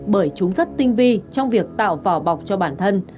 bởi chúng rất tinh vi trong việc tạo vỏ bọc cho bản thân